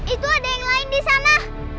itu ada yang lain di sana